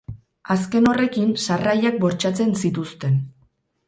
Azken horrekin sarrailak bortxatzen zituzten.